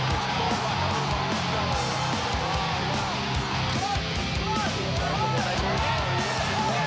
นั่นคือสิ่งที่เราต้องคิดว่ามันจะเป็นอะไรหรือเปล่า